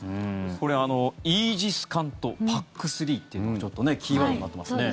これ、イージス艦とＰＡＣ３というのがちょっとキーワードになってますね。